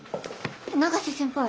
永瀬先輩